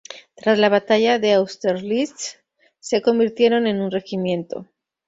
Tras la batalla de Austerlitz, se convirtieron en un regimiento.